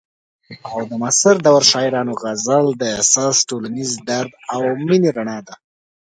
او د معاصر دور شاعرانو غزل د احساس، ټولنیز درد او مینې رڼا ده.